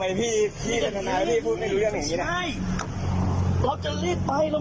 ไม่เป็นไร